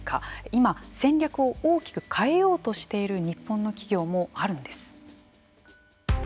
今、戦略を大きく変えようとしている日本の企業もあるんです。